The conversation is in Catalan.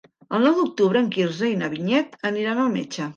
El nou d'octubre en Quirze i na Vinyet aniran al metge.